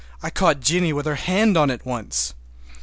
I caught Jennie with her hand on it once.